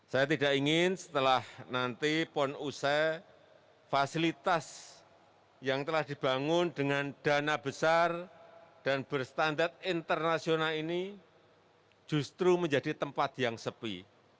saya tidak ingin setelah nanti pon usai fasilitas yang telah dibangun dengan dana besar dan berstandar internasional ini justru menjadi tempat yang sepi